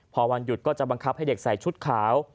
พอวันหยุดก็จะบังคับให้เด็กใส่ชุดขาว